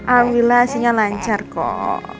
alhamdulillah asyiknya lancar kok